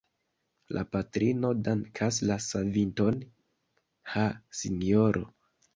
La patrino dankas la savinton: Ha, sinjoro!